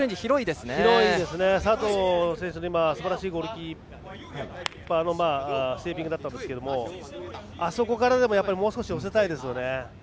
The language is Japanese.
すばらしいゴールキーパーのセービングだったんですけどあそこからでもやっぱりもう少し寄せたいですね。